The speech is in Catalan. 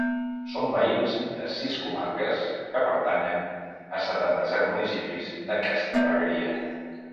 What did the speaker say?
Són veïns de sis comarques que pertanyen a setanta-set municipis d’aquesta vegueria.